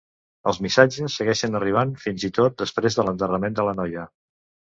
Els missatges segueixen arribant fins i tot després de l'enterrament de la noia.